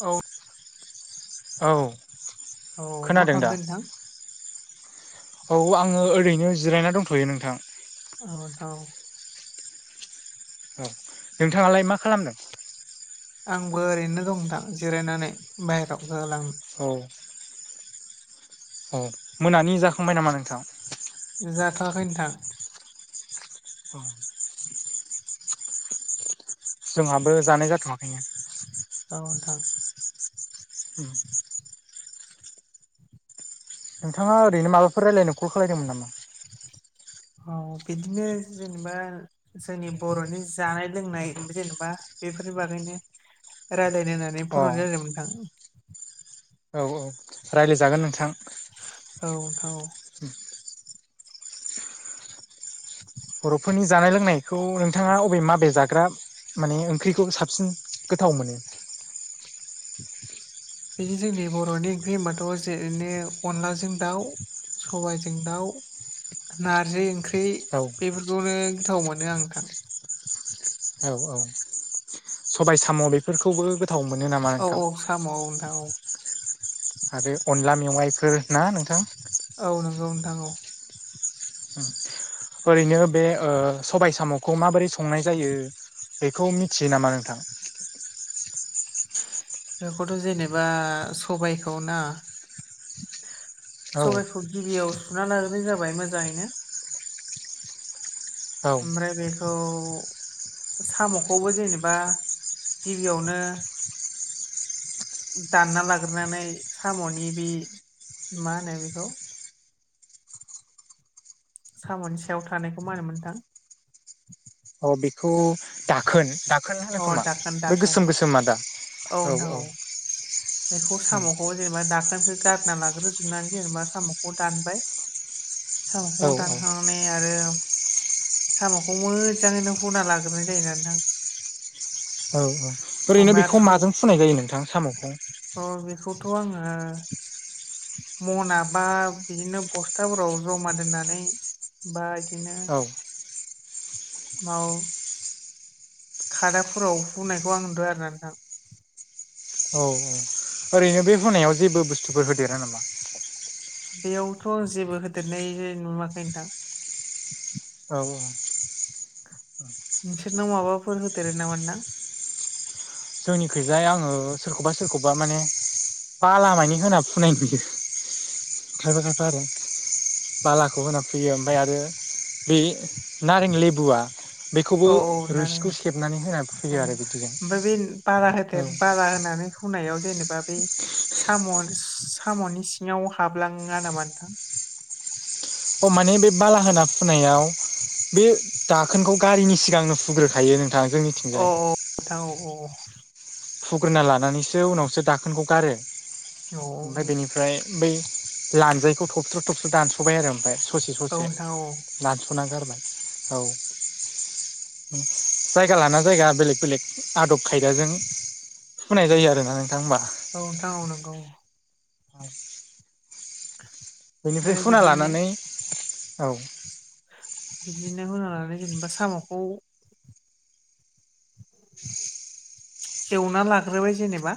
औ औ औ मा खोनादों दा खालामदो नोंथां? औ आङो ओरैनो जिरायना दंथ'यो नोंथां। औ [unintelligible] औ नोंथाङालाय मा खालामदों? आंबो ओरैनो दं नोंथां जिरायनानै बाहेरायाव [unintelligible] औ औ मोनानि जाखांबाय नामा नोंथां। जाथ'वाखै नोंथां। औ जोंहाबो जानाय जाथ'वाखैनो। औ नोंथां। उम नोंथाङा ओरैनो माबाफोर रायलायनो कल खालायदोंमोन नामा? औ बिदिनो जेनेबा जोंनि बर'नि जानाय लोंनाय जेनेबा बेफोरनि बागैनो। रायलायनो होननानै अ औ फन हरनाय जादोंमोन नोंथां। औ औ रायलायजागोन नोंथां। औ औ बर'फोरनि जानाय लोंनायखौ नोंथाङा अबे माबे जाग्रा माने ओंख्रिखौ साबसिन गोथाव मोनो। बिदि जोंनि बर'नि ओंख्रि होमबाथ' जेरैनो अनलाजों दाउ। सबाइजों दाउ, नारजि ओंख्रि औ बेफोरखौनो गोथाव मोनो आं नोंथां। औ औ सबाय साम' बेफोरखौबो गोथाव मोनो नामा नोंथां? [unintelligible] आरो अनला मेवाइफोर ना नोंथां? औ नंगौ नोंथां औ ओरैनो बे ओ सबाय साम'खौ माबोरै संनाय जायो बेखौ मिथियो नामा नोंथां? बेखौथ' जेनेबा सबायखौ ना? औ सबाइखौ गिबियाव सुना लाग्रोनाय जाबाय मोजाङैनो। औ ओमफ्राय बेखौ साम'खौबो जेनेबा गिबियावनो दानना लाग्रोनानै साम'नि बि मा होनो बेखौ? साम'नि सायाव थानायखौ मा होनोमोन नोंथां? अ बेखौ दाखोन दाखोन होनो अ खोमा दाखोन बे दाखोन गोसोम गोसोमा दा? औ नोंथां औ बेखौ साम'खौ जेनेबा दाखोनखौ गारना लाग्रोजोबनानै जेनेबा साम'खौ दानबाय। औ साम'खौ दानखांनानै आरो सामाखौ मोजाङैनो हना लाग्रोनाय जायो [inaudible] औ औ ओरैनो ओमफ्राय बेखौ आरो माजों फुनाय जायो नोंथां साम'खौ? अ बेखौथ' आङो मना बा बिदिनो बस्थाफोराव जमा दोननानै बादिनो औ नाव खादाफोराव हुनायखौ आं नुदों आरोना नोंथां। औ औ ओरैनो बे होनायाव जेबो बुस्थुफोर होदेरा नामा? बेयावथ' जेबो होदेरनाय नुवाखै नोंथां। औ औ नोंसोरनाव माबाफोर होदेरो नामा नोंथां? जोंनिखैजाय आङो सोरखौबा सोरखौबा माने बालामानि होना फुनाय नुयो खायफा खायफा आरो। बालाखौ होना फैयो ओमफ्राय आरो बे नारें लेबुआ बेखौबो औ औ रुसिखौ नोंथां सेबनानै होनानै फुयो औ। आरो बिदिजों। ओमफ्राय बे बारा औ होदेर बारा होनानै होनायाव जेनेबा बे साम साम'नि सिङाव हाबलाङा नामा नोंथां? अ माने बे बाला होना फुनायाव बे दाखोनखौ गारिनि सिगांनो फुग्रोखायो नोंथाङा जोंनि अ औ थां औ। फुग्रोना लानानैसो उनावसो दाखोनखौ गारो। औ ओमफ्राय बेनिफ्राय बै लान्जायखौ थबस्र थबस्र दानस'बाय आरो ओमफ्राय। ससे ससे नोंथां औ दानस'ना गारबाय औ। जायगा लाना जायगा बेलेग बेलेग आदब खायदाजों होनाय जायो आरोना नोंथां ओमबा? औ नोंथां औ नोंगौ। [inaudible] बेनिफ्राय ओमफ्राय हुना बिदिनो लानानै औ बिदिनो हुना लानानै जेनेबा साम'खौ एवना लाग्रोबाय जेनेबा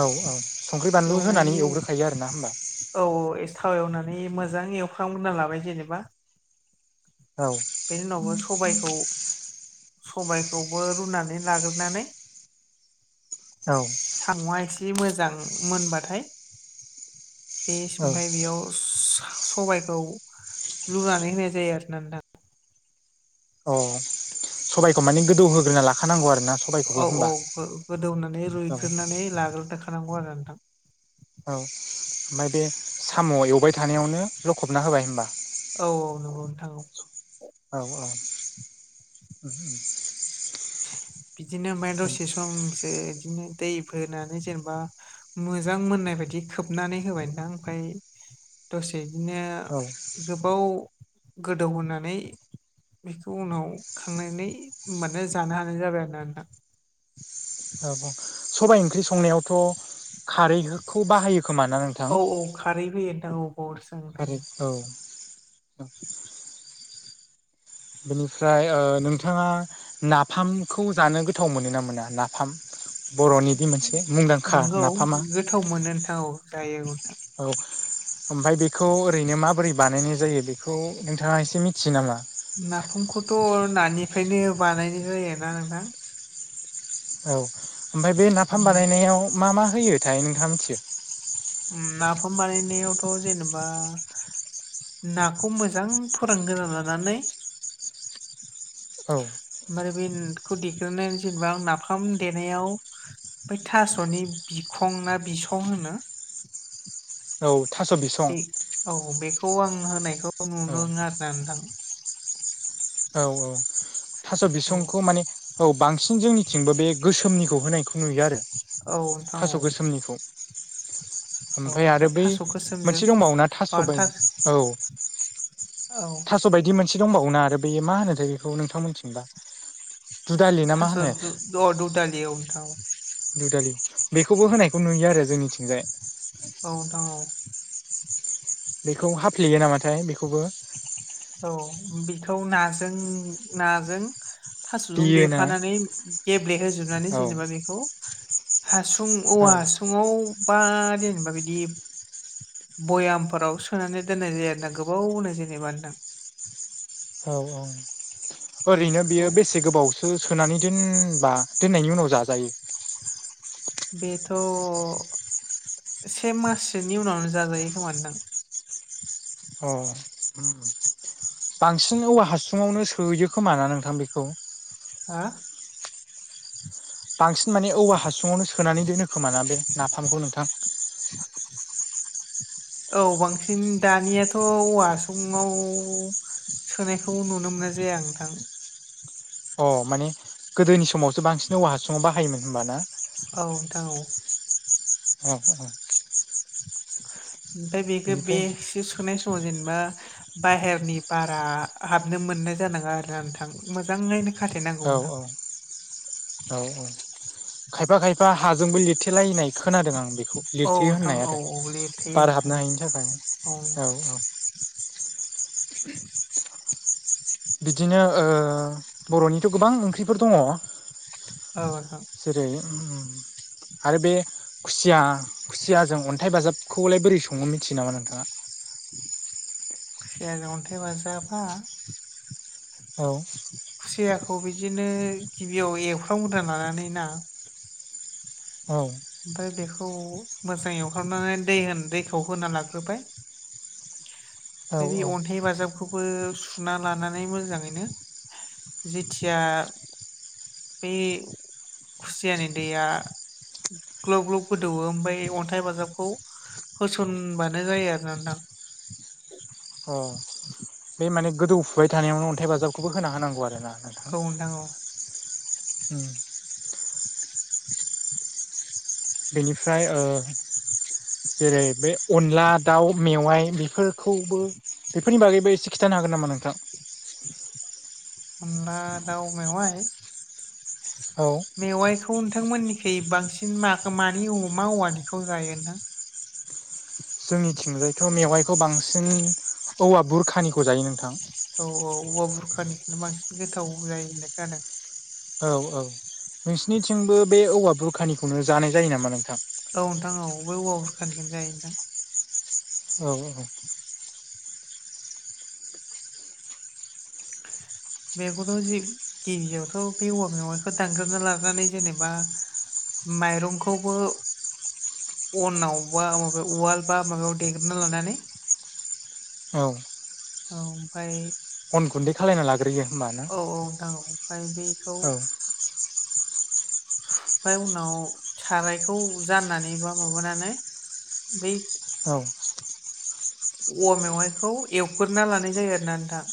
औ औ संख्रि बानलु होनानै एवनायनि औ एवग्रोखायो आरोना होमबा? औ [inaudible] मोजां एवखांग्रोना लाबाय जेनेबा। औ बेनि उनावबो सबायखौ सबायखौबो रुनानै लाग्रोनानै औ सामआ एसे मोजां मोनबाथाय [inaudible] औ ओमफ्राय बेयाव सा सबायखौ लुनानै होनाय जायो आरना नोंथां। अ सबायखौ माने गोदौ होग्रोना लाखानांगौ आरो। औ औ गोदौनानै औ रुइग्रोनानै लाग्रो दोनखानांगौ आरो नोंथां। औ ओमफ्राय बे साम' एवबाय थानायावनो लखबना होबाय होमबा। औ औ नंगौ नोंथां। औ औ। बिदिनो ओमफाय दसे समसो बिदिनो दै होनानै जेनेबा मोजां मोननाय बायदि खोबनानै होबाय [inaudible] ओमफाय दसे बिदिनो औ गोबाव गोदौहोनानै बेखौ उनाव खांनानै मोन जानो हानाय जाबाय आरोना नोंथां। औ सबाइ ओंख्रि संनायावथ' खारैखौ बाहायो। खोमा ना नोंथां औ औ खारैबो होयो नोंथां औ खारै औ [inaudible] औ बेनिफ्राय ओ नोंथाङा नाफामखौ जानो गोथाव मोनो ना मोना नाफाम बर'नि बे मोनसे मुंदांखा नंगौ नाफामा गोथाव मोनो नोंथां औ जायो औ ओमफ्राय बेखौ ओरैनो माबोरै बानायनाय जायो बेखौ नोंथाङा एसे मिथियो नामा? नाफामखौथ' नानिफ्रायनो बानायनाय जायोना नोंथां? औ ओमफ्राय बे नाफाम उम बानायनायाव मा मा होयोथाय नोंथाङा मिथियो? नाफाम बानायनायावथ' जेनेबा नाखौ मोजां फोरान गोरना लानानै औ आरो [inaudible] देग्रोनानै जेनेबा नाफाम देनायाव बै थास'नि बिखं ना बिसं होनो औ थास' बिसं बे औ बेखौ आं होनायखौ औ नुदों आरोना नोंथां औ औ थास' औ बिसंखौ माने औ बांसिन जोंनिथिंबो बे गोसोमनिखौ होनायखौ नुयो आरो औ नोंथां औ थास' गोसोमनिखौ औ ओमफ्राय आरो बै थास' मोनसे गोसोमजों दंबावो ना थास' बायऔ औ थास' बायदि मोनसे दंबावो ना आरो बेयो मा होनोथाय बेखौ नोंथां मोनथिगोन दां? थास' द दौदालि औ नोंथां दुदालि बेखौबो होनायखौ नुयो आरो जोंनिथिंजाय औ नोंथां औ बेखौ हाफ्लेयो नामाथाय बेखौबो? औ बेखौ नाजों नाजों थास'जों बियोना देफानानै गेब्लेहोजोबनानै औ जेनेबा बेखौ हासुं औ औवा हासुङाव बा जेनेबा बिदि बयामफोराव सोनानै दोननाय जायो आरोना गोबावनो जेनेबा नोंथां औ औ औ ओरैनो बेयो औ बेसे गोबावसो सो सोनानै दोनबा दोननायनि उनाव जाजायो? बेथ' से माससोनि उनावनो जाजायो खोमा नोंथां अ बांसिन औवा हासुङावनो सोयो खोमा ना नोंथां बेखौ? हो बांसिन माने औवा हासुङावनो सोनानै दोनो खोमाना बे नाफामखौ नोंथां? औ बांसिन दानियाथ' औवा हासुङाव सोनायखौ नुनो मोनाय जाया नोंथां अ माने गोदोनि समावसो बांसिन औवा हासुङाव बाहायोमोन होमबाना? औ नोंथां औ औ दा बेबो बे बेनिफ्राय सोनाय समाव जेनेबा बाहेरनि बारा हाबनो मोननाय जानाङा आरोना नोंथां मोजाङैनो खाथेनांगौ औ नोंथां औ औ औ खायफा खायफा हाजोंबो लिरथेलायनाय खोनादों आं बेखौ औ लिरथिोयो नोंथां होननाय औ आरो औ लिरथेयो बार नोंथां हाबनो हायिनि थाखाय औ औ [inaudible] बिदिनो ओ बर'निथ' गोबां ओंख्रिफोर दङ औ नोंथां जेरै आरो बे खुसिया खुसिया जों अन्थाइ बाजाबखौलाय बोरै सङो मिथियो नामा नोंथाङा? खुसियानो अन्थाइ बाजाबा? औ। खुसियाखौ बिदिनो गिबियाव एवफ्र्रांगद्रा लानानै ना औ। ओमफ्राय बेखौ मोजाङ एवखांनानै दै होन दैखौ होना लाग्रोबाय औ बे औ अन्थाइ बाजाबखौ बो सुना लानानै मोजाङैनो जेथिया बै खुसियानि दैया ग्लब ग्लब गोदौवो ओमफ्राय अन्थाइ बाजाबखौ होसनबानो जायो आरोना नोंथां। अ बे माने गोदौफुबाय थानायावनो अन्थाइ बाजाबखौबो होना होनांगौ नोंथां आरो। औ नोंथां औ [unintelligible] बेनिफ्राय जेरै बे अनला दाउ मेवाइ बेफोरखौबो बेफोरनि बागैबो एसे खिथानो हागोन नामा नोंथां अनला दाउ मेवाइ औ मेवाइखौ नोंथांमोननिखु बांसिन म मानि अमा औवानिखौ जायो नोंथां जोंनिथििंजायथ' मेवाइखौ बांसिन औवा बुरखानिखौ जायो नोंथां औ औ औवा बुरखानिखौनो बांसिन गोथाव जायो होननाय खोनादों। औ औ नोंसिनिथिंबो बे औवा बुरखानिखौनो जानाय जायो नामा नोंथां औ नोंथां औ ब औवाफोरखानिखौन जायो नोंथां औ औ मैगन गिबियावथ' बे औवा मेवाइखौ दानग्रोनना लानानै जेनेबा माइरंखौबो अनाव बा माब उवाल बा माबायाव देग्रना लानानै औ औ ओमफफ्राय अन गुन्दै खालायना लाग्रोयो होमबानो औ औ दां ओमफ्राय बेखौ ओमफ्राय उनाव सारायखौ जाननानै बा माबानानै बै औ औवा मेवाइखौ एवग्रना लानाय जायो आर ना नोंथां।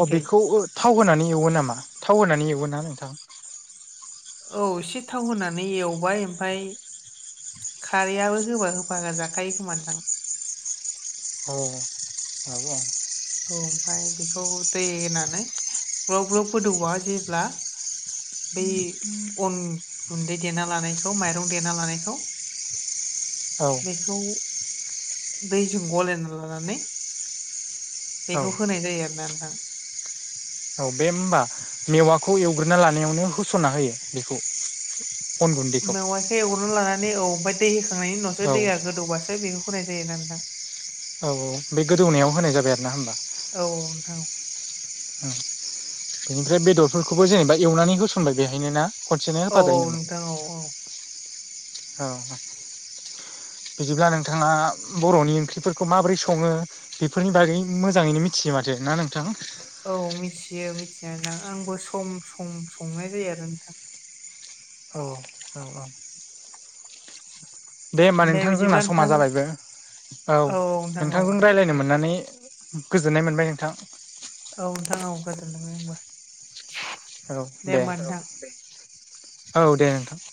अ बेखौ थाव होनानै एवो नामा थाव होनानै एवो ना नोंथां। औ एसे थाव होनानै एवबाय ओमफ्राय खारैयाबो होबा होफागोन जाखायो खोमानो थां [inaudible] औ ओमफफ्राय बेखौ दै होनानै ग्लब ग्लब गोदौबा जेब्ला बै अन गुन्दै देना लानायखौ माइरं देना लानायखौ औ बेखौ दैजों गलायना लानानै औ बेखौ होनाय जायो आरोना नोंथां औ बे होनोमबा मेवाखौ एवग्रोना लानायावनो होस'ना होयो बेखौ अन गुन्दैखौ मेवाइखौ एवग्रोनानै लानानै औ ओमफफ्राय दै होखांनायनि उनावसो औ दैया गोदौबासो बे होनाय जायो नोंथां औ औ बे गोदौनायाव होनाय जाबाय आरो ना होनबा औ औ नोंथां बेनिफ्राय बेदरफोरखौबो जेनेबा एवनानै होसनबाय बेहायनो ना? खनसेनो। औ औ होफाजायो नामा नोंथां औ औ। औ। बिदिब्ला नोंथाङा बर'नि ओंख्रिफोरखौ माबोरै सङो बेफोरनि बागै मोजाङैनो मिथियो माथो ना नोंथां। औ मिथियो मिथिनानै आंबो सम सम संनाय जायो आरो नोंथां। औ औ औ दे ओमबा नोंथां जोंना बिदिब्ला समा नोंथां औ जाबायबो, औ नोंथां औ नोंथांजों दे रायलायनो औ मोननानै गोजोननाय मोनबाय नोंथां। औ नोंथां औ गोजोनदों आंबो। औ दे होमबा नोंथां। औ दे नोंथां।